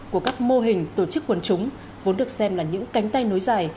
của các mô hình tổ chức quần chúng vốn được xem là những cánh tay nối dài